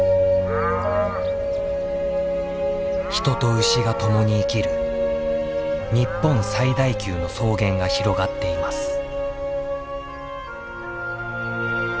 人と牛が共に生きる日本最大級の草原が広がっています。